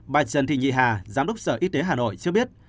bà trần thị nhị hà giám đốc sở y tế hà nội cho biết